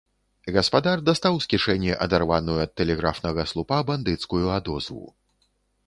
Гаспадар дастаў з кішэні адарваную ад тэлеграфнага слупа бандыцкую адозву.